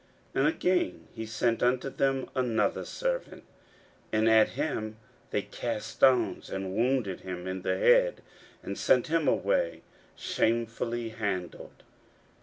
41:012:004 And again he sent unto them another servant; and at him they cast stones, and wounded him in the head, and sent him away shamefully handled.